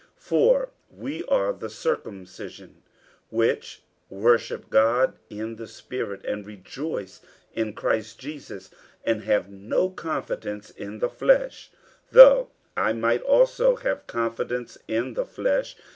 50:003:003 For we are the circumcision, which worship God in the spirit, and rejoice in Christ Jesus, and have no confidence in the flesh. 50:003:004 Though I might also have confidence in the flesh.